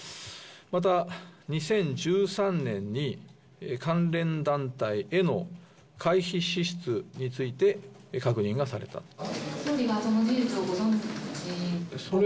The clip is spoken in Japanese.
また２０１３年に、関連団体への会費支出について確認がされたと。